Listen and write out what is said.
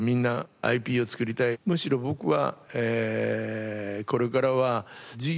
むしろ僕は。